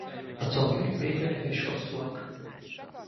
A combjaik vékonyak és hosszúak.